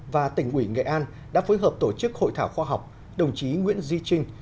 và tỉnh ủy nghệ an đã phối hợp tổ chức hội thảo khoa học đồng chí nguyễn duy trinh